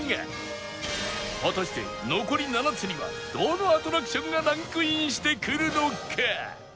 果たして残り７つにはどのアトラクションがランクインしてくるのか？